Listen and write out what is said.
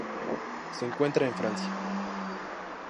Se encuentra en Francia.